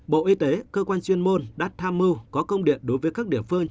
bộ y tế cơ quan chuyên môn đã tham mưu có công điện đối với các địa phương